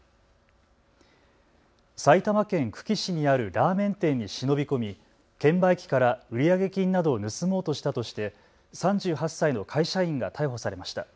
埼玉県久喜市にあるラーメン店に忍び込み、券売機から売上金などを盗もうとしたとして３８歳の会社員が逮捕されました。